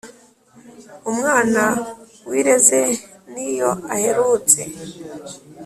"Umwana wireze" ni yo aherutse